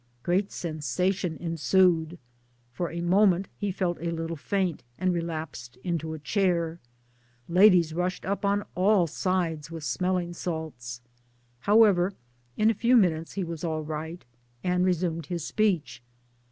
Great sensation ensued. For the moment he felt a little faint and relapsed into a chair 1 . Ladies rushed up on all sides with smelling salts. However in a few minutes he was all right, and resumed his speech.